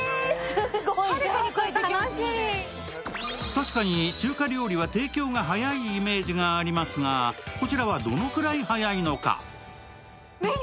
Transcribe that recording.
たしかに中華料理は提供が早いイメージがありますが、こちらはどのくらい早いのか。